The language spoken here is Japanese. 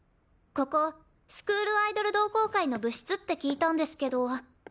ここスクールアイドル同好会の部室って聞いたんですけど。